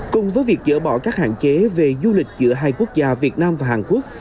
cùng với việc dỡ bỏ các hạn chế về du lịch giữa hai quốc gia việt nam và hàn quốc